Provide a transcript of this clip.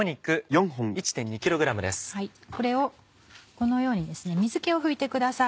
これをこのように水気を拭いてください。